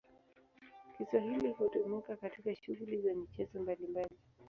Kiswahili hutumika katika shughuli za michezo mbalimbali.